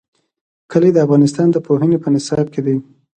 کلي د افغانستان د پوهنې په نصاب کې دي.